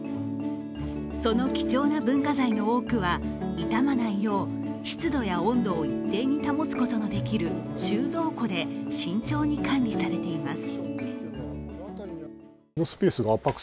その貴重な文化財の多くは傷まないよう湿度や温度を一定に保つことのできる収蔵庫で慎重に管理されています。